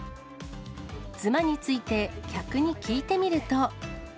つまについて、客に聞いてみると。